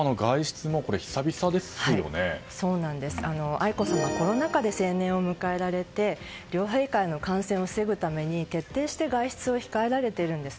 愛子さま、コロナ禍で成年を迎えられて両陛下への感染を防ぐために徹底して外出を控えられているんです。